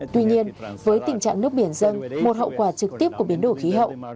tuy nhiên với tình trạng nước biển dâng một hậu quả trực tiếp của biến đổi khí hậu